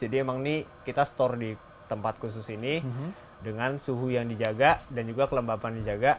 jadi emang nih kita store di tempat khusus ini dengan suhu yang dijaga dan juga kelembaban yang dijaga